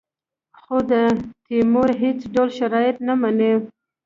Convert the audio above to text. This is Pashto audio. خو د تیمور هېڅ ډول شرایط نه مني.